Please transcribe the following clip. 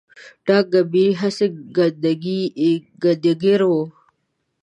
ډاګ کمبېر هسي ګنډېر و